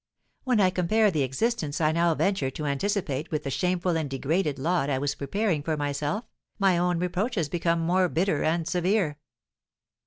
When I compare the existence I now venture to anticipate with the shameful and degraded lot I was preparing for myself, my own reproaches become more bitter and severe."